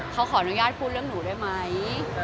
เขาขออนุญาตพูดเรื่องหนูได้ไหม